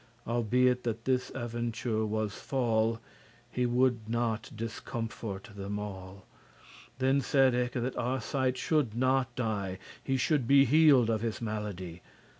Albeit that this aventure was fall*, *befallen He woulde not discomforte* them all *discourage Then said eke, that Arcite should not die, He should be healed of his malady.